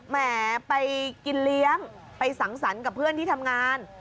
แหมไปกินเลี้ยงไปสังสรรค์กับเพื่อนที่ทำงาน